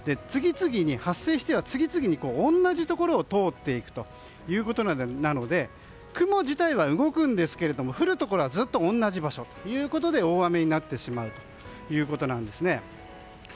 発生しては次々に同じ所を通っていくので雲自体は動くんですが降るところはずっと同じ場所ということで大雨になってしまうんですね。